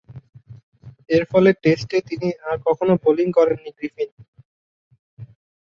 এরফলে টেস্টে তিনি আর কখনও বোলিং করেননি গ্রিফিন।